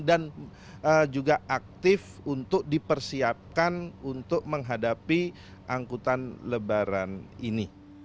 dan juga aktif untuk dipersiapkan untuk menghadapi angkutan lebaran ini